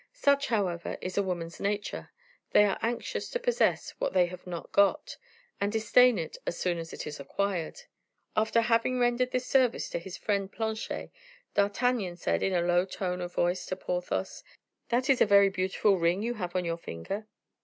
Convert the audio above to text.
Such, however, is a woman's nature; they are anxious to possess what they have not got, and disdain it as soon as it is acquired. After having rendered this service to his friend Planchet, D'Artagnan said in a low tone of voice to Porthos: "That is a very beautiful ring you have on your finger."